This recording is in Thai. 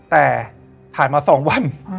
แต่ผ่านมา๒วัน